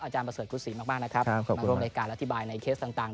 อาจารย์ประเสริฐครูศีมากนะครับมาร่วมรายการและอธิบายในเคสต่าง